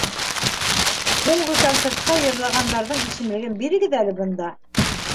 —Һуңғы концертта йырлағандарҙың исемлеген бирегеҙ әле бында!